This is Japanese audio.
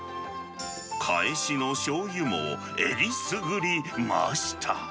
かえしのしょうゆもえりすぐりました。